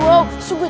aduh masih masih